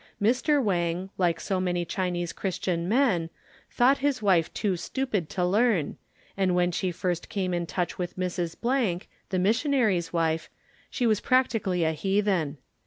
Mr. Wang, like so many Chinese Christian men, thought his wife too stupid to learn, and when she first came in touch with Mrs. ——, the missionary's wife, she was practically a heathen.